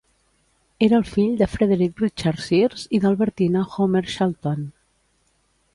Era el fill de Frederic Richard Sears i d'Albertina Homer Shelton.